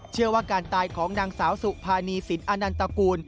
เชื่อว่าการตายของนางสาวสุภานีสินอนันตกูล